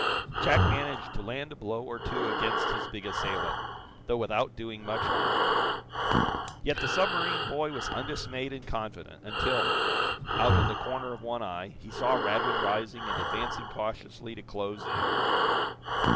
Jack managed to land a blow or two against his big assailant, though without doing much harm. Yet the submarine boy was undismayed and confident, until, out of the corner of one eye, he saw Radwin rising and advancing cautiously to close in.